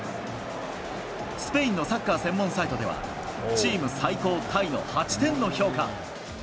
スペインのサッカー専門サイトでは、チーム最高タイの８点の評価。